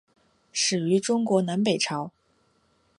始于中国南北朝。